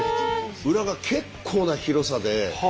裏が結構な広さで。